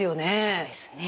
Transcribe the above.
そうですね。